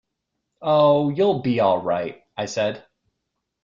"Oh, you'll be all right," I said.